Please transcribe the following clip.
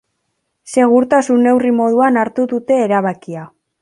Segurtasun neurri moduan hartu dute erabakia.